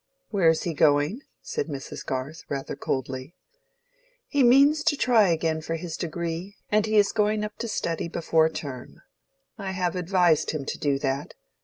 "Where is he going?" said Mrs. Garth, rather coldly. "He means to try again for his degree, and he is going up to study before term. I have advised him to do that.